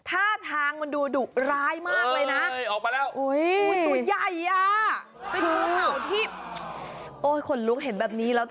ท่าทางมันดูดุร้ายมากเลยนะ